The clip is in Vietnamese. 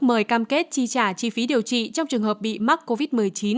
mời cam kết chi trả chi phí điều trị trong trường hợp bị mắc covid một mươi chín